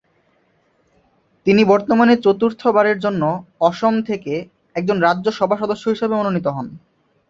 তিনি বর্তমানে চতুর্থ বারের জন্য অসম থেকে একজন রাজ্য সভা সদস্য হিসাবেও মনোনীত হন।